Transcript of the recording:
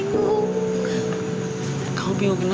sampai kapan andre melamar dewi